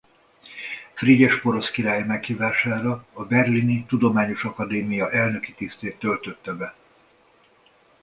Frigyes porosz király meghívására a Berlini Tudományos Akadémia elnöki tisztét töltötte be.